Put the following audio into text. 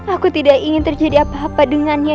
aku tidak ingin terjadi apa apa dengannya